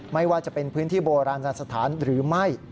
ไม่ว่าจะเป็นพื้นที่โบราณสถานหรือไม่